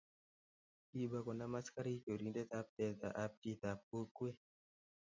kiba konam askarik chorindetab tetab chitab kokwe